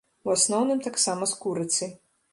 У асноўным таксама з курыцай.